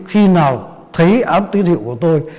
khi nào thấy áp tiên hiệu của tôi